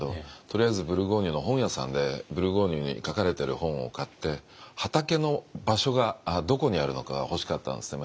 とりあえずブルゴーニュの本屋さんでブルゴーニュに書かれてる本を買って畑の場所がどこにあるのかが欲しかったんですね